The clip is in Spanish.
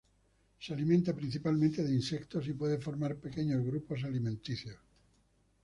Se alimenta principalmente de insectos y puede formar pequeños grupos alimenticios.